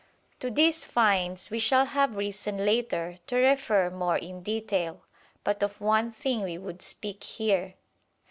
To these "finds" we shall have reason later to refer more in detail, but of one thing we would speak here.